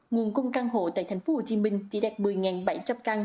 nguồn cung căn hộ tại tp hcm chỉ đạt một mươi bảy trăm linh căn